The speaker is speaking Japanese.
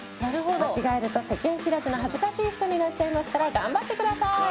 間違えると世間知らずな恥ずかしい人になっちゃいますから頑張ってください！